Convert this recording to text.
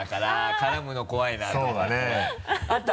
絡むの怖いなと思って。